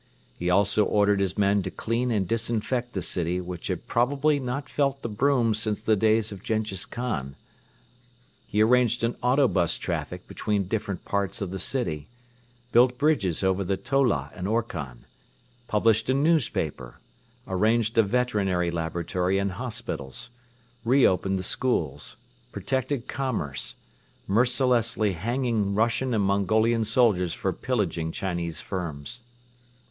He also ordered his men to clean and disinfect the city which had probably not felt the broom since the days of Jenghiz Khan. He arranged an auto bus traffic between different parts of the city; built bridges over the Tola and Orkhon; published a newspaper; arranged a veterinary laboratory and hospitals; re opened the schools; protected commerce, mercilessly hanging Russian and Mongolian soldiers for pillaging Chinese firms.